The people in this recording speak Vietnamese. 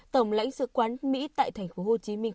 tổng lãnh sự quán mỹ tại thành phố hồ chí minh